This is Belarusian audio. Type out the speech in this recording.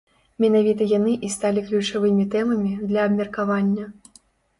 Менавіта яны і сталі ключавымі тэмамі для абмеркавання.